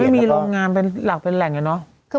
มันยังไม่มีโรงงานเป็นหลักเป็นแหล่งเนอะ